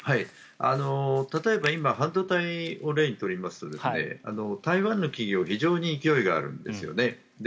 例えば今半導体を例に取りますと台湾の企業非常に勢いがあるんですよね。